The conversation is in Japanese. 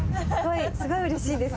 すごい、うれしいです。